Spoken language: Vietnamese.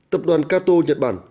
tập đoàn cato nhật bản